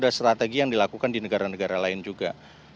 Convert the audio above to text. ada strategi yang dilakukan di negara negara lain juga